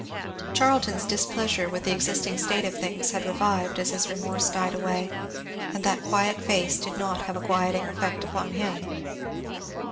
Charlton's displeasure with the existing state of things had revived as his remorse died away, and that quiet face did not have a quieting effect upon him.